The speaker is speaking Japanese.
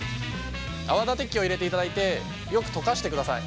泡立て器を入れていただいてよく溶かしてください。